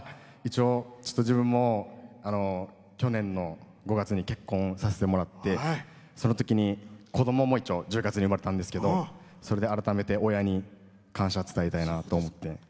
一応、自分も去年の５月に結婚させてもらってそのときに子どもも一応１０月に生まれたんですけどそれで改めて親に感謝を伝えたいなと思って。